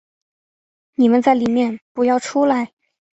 你们在里面不要出来